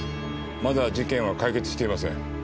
まだ事件は解決していません。